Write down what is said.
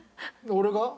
俺が？